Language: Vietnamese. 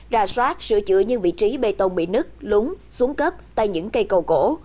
ra soát sửa chữa những vị trí bê tông bị nứt lúng xuống cấp tại những cây cầu cổ